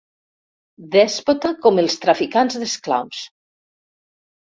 Dèspota com els traficants d'esclaus.